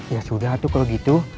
ya sudah tuh kalau gitu